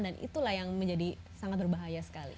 dan itulah yang menjadi sangat berbahaya sekali